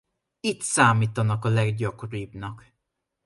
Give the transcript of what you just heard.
Itt számítanak a leggyakoribbnak.